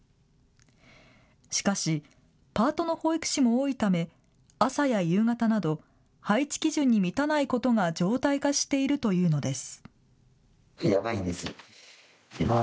しかしパートの保育士も多いため朝や夕方など配置基準に満たないことが常態化しているというのです。